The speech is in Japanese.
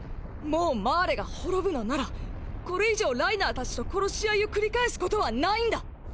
もうマーレが滅ぶのならこれ以上ライナーたちと殺し合いを繰り返すことはないんだ。